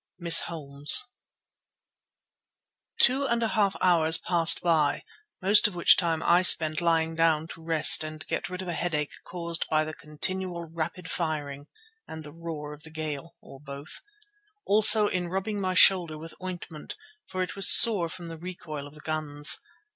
MISS HOLMES Two and a half hours passed by, most of which time I spent lying down to rest and get rid of a headache caused by the continual, rapid firing and the roar of the gale, or both; also in rubbing my shoulder with ointment, for it was sore from the recoil of the guns.